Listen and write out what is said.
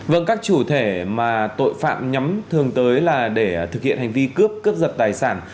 vâng các chủ thể mà tội phạm nhắm thường tới là để thực hiện hành vi cướp cướp giật tài sản